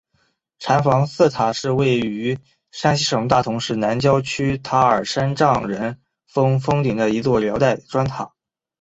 禅房寺塔是位于山西省大同市南郊区塔儿山丈人峰峰顶的一座辽代砖塔。